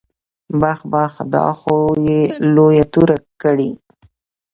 بح بح دا خو يې لويه توره کړې.